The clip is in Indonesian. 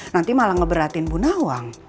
nanti malah ngeberatin bu nawang